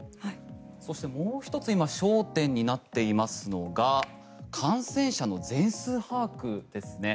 そしてもう１つ焦点となっていますのが感染者の全数把握ですね。